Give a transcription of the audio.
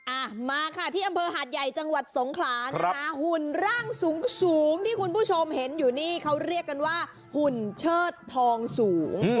อ่ะมาค่ะที่อำเภอหาดใหญ่จังหวัดสงขลานะคะหุ่นร่างสูงสูงที่คุณผู้ชมเห็นอยู่นี่เขาเรียกกันว่าหุ่นเชิดทองสูง